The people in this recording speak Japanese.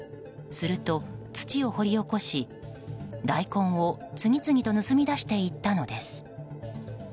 すると、土を掘り起こし大根を次々と盗み出していったのです。